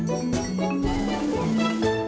untuk sementara waktu aja